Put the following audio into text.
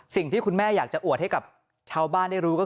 สิ่งที่คุณแม่อยากจะอวดให้กับชาวบ้านได้รู้ก็คือ